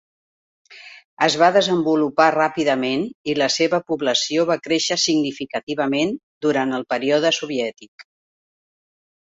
Es va desenvolupar ràpidament i la seva població va créixer significativament durant el període soviètic.